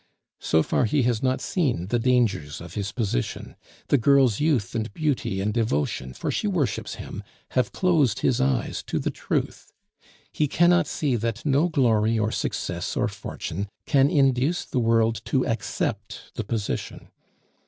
So far, he has not seen the dangers of his position; the girl's youth and beauty and devotion (for she worships him) have closed his eyes to the truth; he cannot see that no glory or success or fortune can induce the world to accept the position.